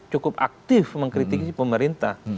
cukup aktif mengkritik pemerintah